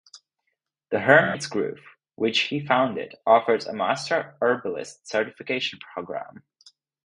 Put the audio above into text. The Hermit's Grove, which he founded, offers a Master Herbalist certification program.